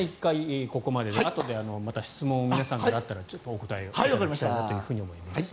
藤山さん、１回ここまでであとで皆さんから質問があったらお答えしていただきたいなと思います。